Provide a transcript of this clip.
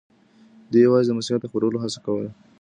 دوی یوازې د مسیحیت د خپرولو هڅه کوله.